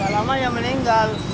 tak lama dia meninggal